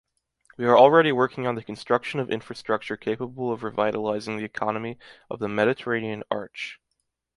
We are already working on the construction of infrastructure capable of revitalizing the economy of the Mediterranean Arch.